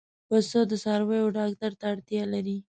پسه د څارویو ډاکټر ته اړتیا لري.